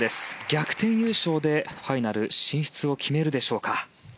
逆転優勝でファイナル進出を決めるでしょうか。